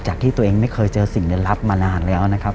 จากที่ตัวเองไม่เคยเจอสิ่งเล่นลับมานานแล้วนะครับ